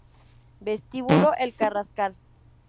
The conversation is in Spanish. Vestíbulo El Carrascal